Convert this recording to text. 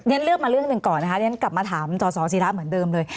เลือกมาเรื่องหนึ่งก่อนนะคะเรียนกลับมาถามจศีระเหมือนเดิมเลย